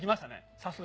さすが。